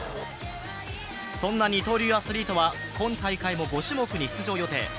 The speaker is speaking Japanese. そんな二刀流アスリートは今大会も５種目に出場予定。